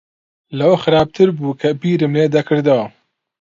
لەوە خراپتر بوو کە بیرم لێ دەکردەوە.